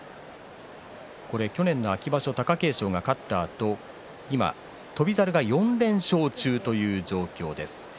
去年の秋場所、貴景勝が勝ったあと、翔猿が４連勝中という状況です。